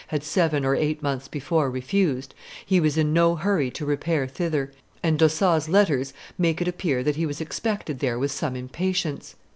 had seven or eight months before refused, he was in no hurry to repair thither, and D'Ossat's letters make it appear that he was expected there with some impatience.